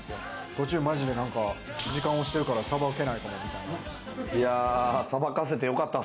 途中、マジで何か時間が押してるから、さばけないかもって。